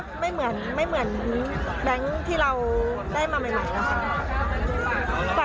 ใช่ค่ะก็จะไม่เหมือนแบงค์ที่เราได้มาใหม่หนะค่ะ